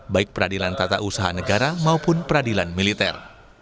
baik peradilan tata usaha negara maupun peradilan militer